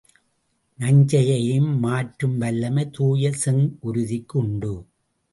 நஞ்சையும் மாற்றும் வல்லமை தூய செங்குருதிக்கு உண்டு.